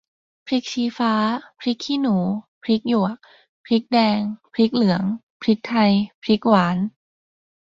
พริกชี้ฟ้า พริกขี้หนู พริกหยวก พริกแดง พริกเหลือง พริกไทย พริกหวาน